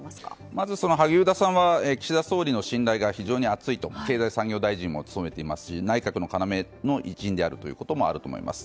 まず萩生田さんは岸田総理の信頼が非常に厚く、経済産業大臣も務めていますし内閣の要の一員であるということもあると思います。